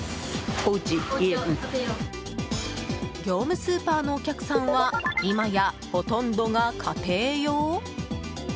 業務スーパーのお客さんは今やほとんどが家庭用？